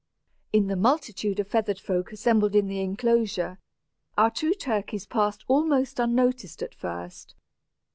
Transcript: In the multitude of feathered folk assembled in the enclosure, our two turkeys passed almost unnoticed at first.